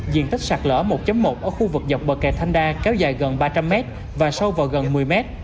diện tích sạc lỡ một một ở khu vực dọc bờ kề thanh đa kéo dài gần ba trăm linh m và sâu vào gần một mươi m